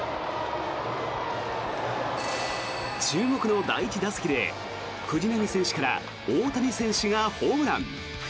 注目の第１打席で藤浪選手から大谷選手がホームラン。